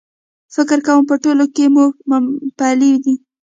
فکر کوم په ټولو کې مومپلي دي.H